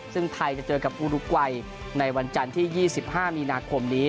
ซึ่งไทยจะเจอกับอุรุกวัยในวันจันทร์ที่๒๕มีนาคมนี้